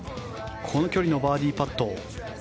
この距離のバーディーパット。